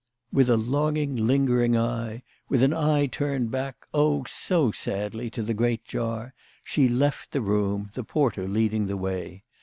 With a longing, lingering eye, with an eye turned back, oh ! so sadly, to the great jar, she left the room, the porter leading the way.